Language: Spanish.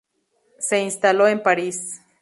Se instaló en París.